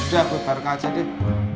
udah gue bareng aja deh